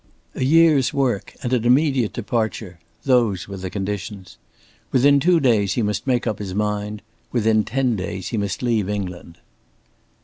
A year's work and an immediate departure those were the conditions. Within two days he must make up his mind within ten days he must leave England.